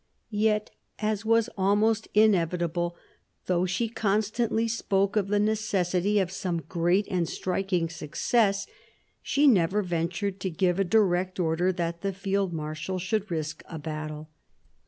Yet, as was almost inevitable, though she constantly spoke of the necessity of some great and striking success, she never ventured to give a direct order that the field marshal should risk a battle.